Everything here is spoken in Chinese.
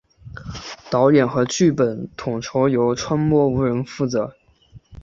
导演和剧本统筹由川波无人负责。